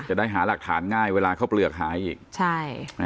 จะได้หาหลักฐานง่ายเวลาข้าวเปลือกหายอีกใช่